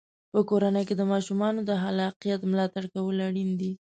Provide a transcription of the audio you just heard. په کورنۍ کې د ماشومانو د خلاقیت ملاتړ کول اړین دی.